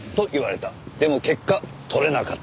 でも結果取れなかった。